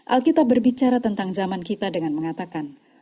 alkitab berbicara tentang zaman kita dengan mengatakan